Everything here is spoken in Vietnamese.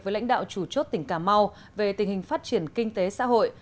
với lãnh đạo chủ chốt tỉnh cà mau về tình hình phát triển kinh tế xã hội